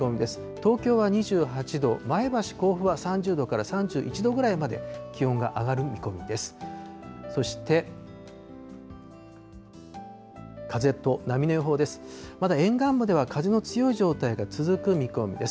東京は２８度、前橋、甲府は３０度から３１度ぐらいまで気温が上がる見込みです。